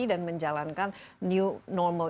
dan menjalankan new normal